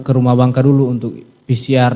ke rumah bangka dulu untuk pcr